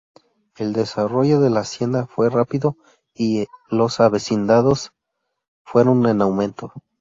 El desarrollo de la hacienda, fue rápido y los avecindados fueron en aumento.